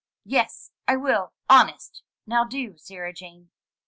"Yes, I will, honest. Now do, Sarah Jane."